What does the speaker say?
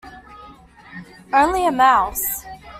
Only a mouse!